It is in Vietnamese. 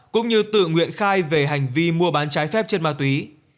cũng như tự nguyện khai về hành vi mua bán trái phép trên ma túy